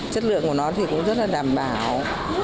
chất lượng của nó thì cũng rất là đảm bảo